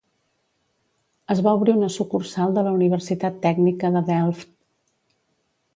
Es va obrir una sucursal de la Universitat Tècnica de Delft.